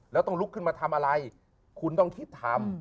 แล้วต้องลุกขึ้นมาทำอะไรคุณต้องคิดทำ